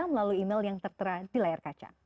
melalui email yang tertera di layar kaca